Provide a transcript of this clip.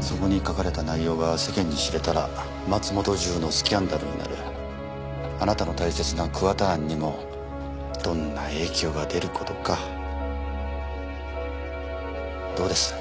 そこに書かれた内容が世間に知れたら松本中のスキャンダルになるあなたの大切な桑田庵にもどんな影響が出ることかどうです？